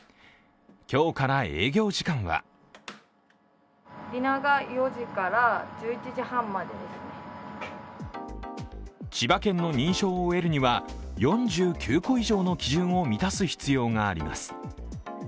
今日から営業時間は千葉県の認証を得るには４９個以上の基準を満たす必要があります。